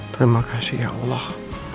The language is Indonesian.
terima kasih ya allah